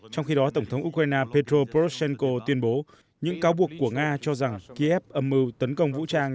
trong khi đó tổng thống ukraine petro posthenko tuyên bố những cáo buộc của nga cho rằng kiev âm mưu tấn công vũ trang